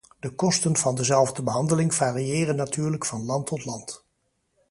De kosten van dezelfde behandeling variëren natuurlijk van land tot land.